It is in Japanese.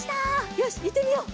よしいってみよう！